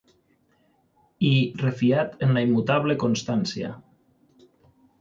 I refiat en la immutable constància